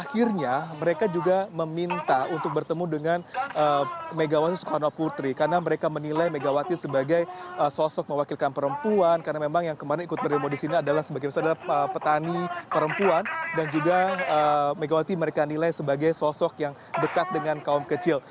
dan akhirnya mereka juga meminta untuk bertemu dengan megawati sukarno putri karena mereka menilai megawati sebagai sosok mewakilkan perempuan karena memang yang kemarin ikut berdemon di sini adalah sebagai misalnya petani perempuan dan juga megawati mereka nilai sebagai sosok yang dekat dengan kaum kecil